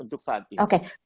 untuk saat ini